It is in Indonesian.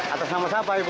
atas nama siapa ibu